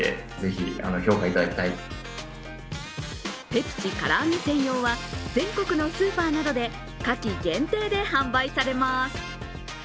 ペプシからあげ専用は全国のスーパーなどで夏季限定で販売されます。